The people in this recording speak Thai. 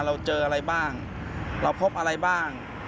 เราเจออะไรบ้างเราพบอะไรบ้าง